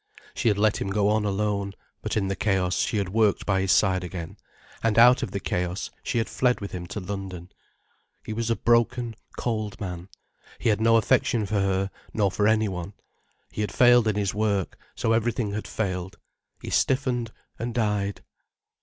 She had let him go on alone. But, in the chaos, she had worked by his side again. And out of the chaos, she had fled with him to London. He was a broken, cold man. He had no affection for her, nor for anyone. He had failed in his work, so everything had failed. He stiffened, and died.